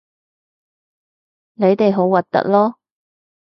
你哋好核突囉